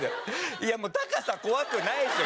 いやもう高さ怖くないでしょ